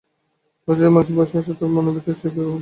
পাশে যে মানুষটি বসে আছে, মনের ভিতরে সে তো আজও বাইরের লোক।